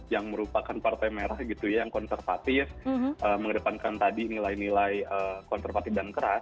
yang merupakan partai merah gitu ya yang konservatif mengedepankan tadi nilai nilai konservatif dan keras